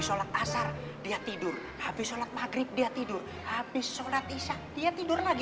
sholat asar dia tidur habis sholat maghrib dia tidur habis sholat isya dia tidur lagi